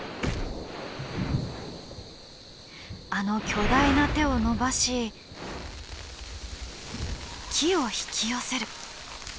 あの巨大な手を伸ばし木を引き寄せる。